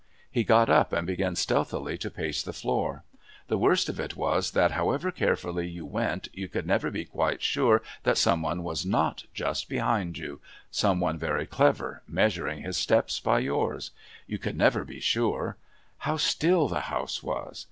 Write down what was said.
He got up and began stealthily to pace the floor. The worst of it was that however carefully you went you could never be quite sure that some one was not just behind you, some one very clever, measuring his steps by yours. You could never be sure. How still the house was!